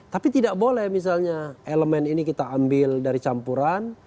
tapi tidak boleh misalnya elemen ini kita ambil dari campuran